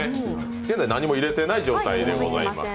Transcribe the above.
現在何も入れていない状態でございます。